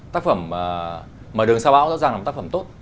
tác phẩm mở đường sao bão rõ ràng là một tác phẩm tốt